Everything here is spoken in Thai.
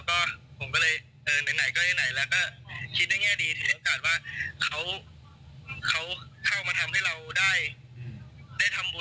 ก็ผมก็เลยเออไหนก็ได้ไหนแล้วก็คิดได้แง่ดีถือโอกาสว่าเขาเข้ามาทำให้เราได้ทำบุญ